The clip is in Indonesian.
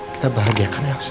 kita bahagiakan elsa